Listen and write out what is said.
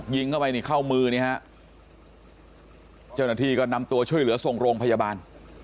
ยิงเข้าไปนี่เข้ามือนี่ฮะเจ้าหน้าที่ก็นำตัวช่วยเหลือส่งโรงพยาบาล